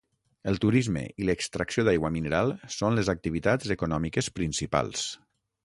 El turisme i l'extracció d'aigua mineral són les activitats econòmiques principals.